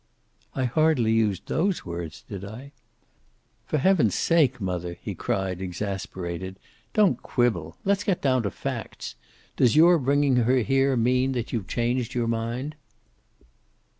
"I hardly used those words, did I?" "For heaven's sake, mother," he cried, exasperated. "Don't quibble. Let's get down to facts. Does your bringing her here mean that you've changed your mind?"